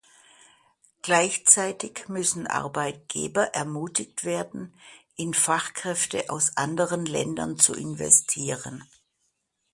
Gleichzeitig müssen Arbeitgeber ermutigt werden, in Fachkräfte aus anderen Ländern zu investieren.